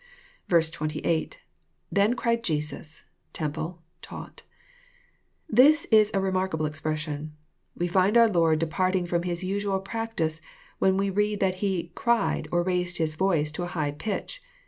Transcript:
28. — IThen cried Jesus, „temple,,. taught. 2 This is a remarkable expression. We find our Lord departing ftom His usual prac tice, when we read that He " cried," op raised His voice to a high pitch.